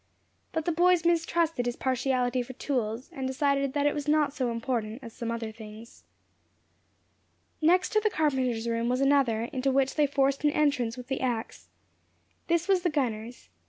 But the boys mistrusted his partiality for tools, and decided that it was not so important as some other things. Next to the carpenter's room was another, into which they forced an entrance with the ax. This was the gunner's.